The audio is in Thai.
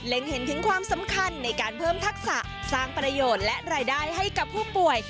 เห็นถึงความสำคัญในการเพิ่มทักษะสร้างประโยชน์และรายได้ให้กับผู้ป่วย